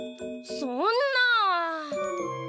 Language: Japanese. そんなあ。